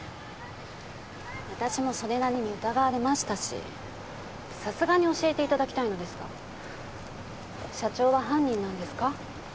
私もそれなりに疑われましたしさすがに教えていただきたいのですが社長は犯人なんですか？